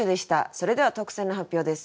それでは特選の発表です。